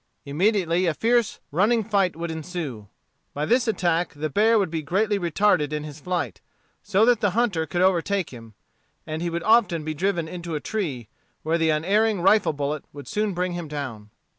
Immediately a fierce running fight would ensue. By this attack the bear would be greatly retarded in his flight, so that the hunter could overtake him, and he would often be driven into a tree, where the unerring rifle bullet would soon bring him down.